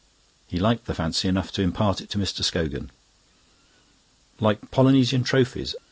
He liked the fancy enough to impart it to Mr. Scogan. "Like Polynesian trophies..."